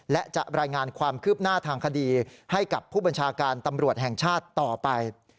และจะรายงานความคืบหน้าทางคดีให้กับผู้บัญชาการตำรวจแห่งชาติต่อไป